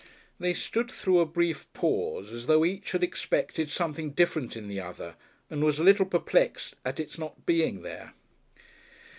They stood through a brief pause, as though each had expected something different in the other and was a little perplexed at its not being there.